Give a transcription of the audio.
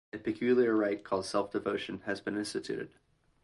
A peculiar rite called self-devotion has been instituted.